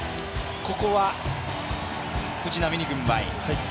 ここは藤浪に軍配。